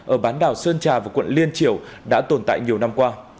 ở bán đảo sơn trà và quận liên triều đã tồn tại nhiều năm qua